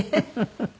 フフフフ。